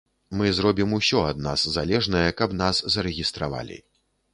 Мы зробім усё ад нас залежнае, каб нас зарэгістравалі.